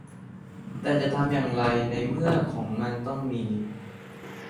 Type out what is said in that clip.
แต่จะทำอย่างไรได้ในเมื่อของมันต้องมี